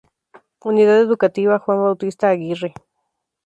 Unidad Educativa Juan Bautista Aguirre